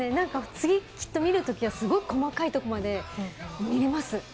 次、きっと見るときはすごく細かいところまで見れます。